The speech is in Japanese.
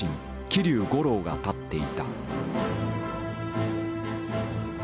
桐生五郎が立っていた。